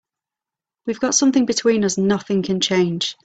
We've got something between us nothing can change.